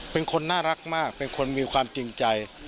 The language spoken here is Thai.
เป็นคนน่ารักมากเป็นคนมีความจริงใจ